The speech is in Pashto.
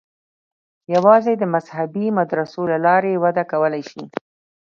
یوازې د مذهبي مدرسو له لارې وده کولای شي.